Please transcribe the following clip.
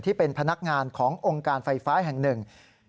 ที่เป็นพนักงานขององค์การไฟฟ้าแห่งหนึ่ง